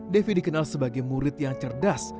devi dikenal sebagai murid yang cerdas